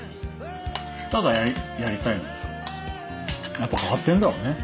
やっぱ変わってんだろうね。